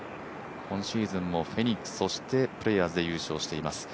今シーズンもフェニックス、そしてプレーヤーズで優勝しています。